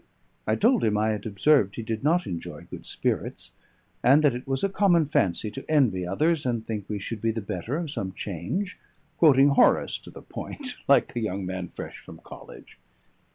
I told him I had observed he did not enjoy good spirits; and that it was a common fancy to envy others and think we should be the better of some change; quoting Horace to the point, like a young man fresh from college.